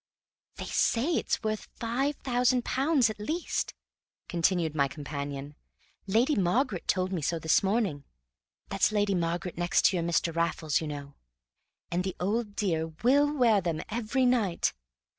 "They say it's worth five thousand pounds at least," continued my companion. "Lady Margaret told me so this morning (that's Lady Margaret next your Mr. Raffles, you know); and the old dear WILL wear them every night.